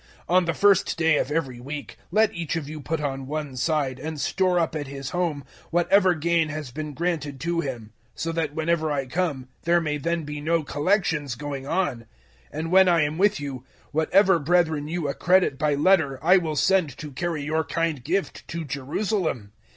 016:002 On the first day of every week let each of you put on one side and store up at his home whatever gain has been granted to him; so that whenever I come, there may then be no collections going on. 016:003 And when I am with you, whatever brethren you accredit by letter I will send to carry your kind gift to Jerusalem.